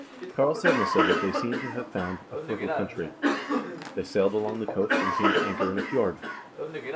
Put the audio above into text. Karlsevne said that they seemed to have found a fertile country. They sailed along the coast and came to anchor in a fjord."